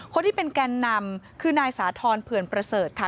คนที่เป็นแกนนำคือนายสาธรณ์เผื่อนประเสริฐค่ะ